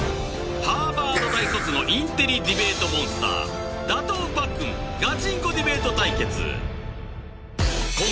ハーバード大卒のインテリディベートモンスター打倒パックンガチンコディベート対決